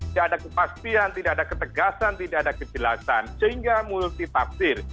tidak ada kepastian tidak ada ketegasan tidak ada kejelasan sehingga multi tafsir